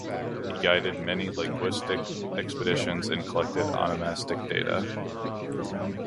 He guided many linguistic expeditions and collected onomastic data.